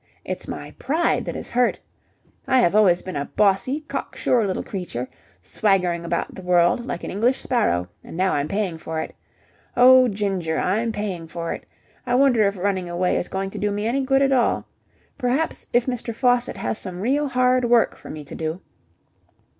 It's my pride that is hurt. I have always been a bossy, cocksure little creature, swaggering about the world like an English sparrow; and now I'm paying for it! Oh, Ginger, I'm paying for it! I wonder if running away is going to do me any good at all. Perhaps, if Mr. Faucitt has some real hard work for me to do...